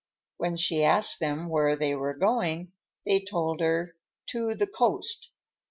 When she asked them where they were going, they told her "to the coast."